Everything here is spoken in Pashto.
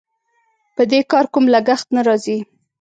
په دې کار کوم لګښت نه راځي.